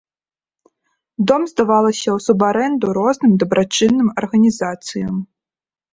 Дом здавалася ў субарэнду розным дабрачынным арганізацыям.